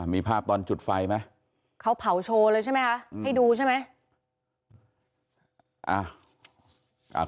มีภาพตอนจุดไฟไหมเขาเผาโชว์เลยใช่ไหมคะให้ดูใช่ไหม